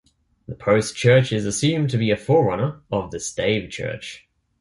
The post church is assumed to be a forerunner of the stave church.